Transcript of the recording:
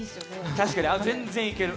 確かに全然いける。